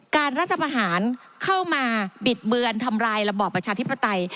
รัฐประหารเข้ามาบิดเบือนทำลายระบอบประชาธิปไตย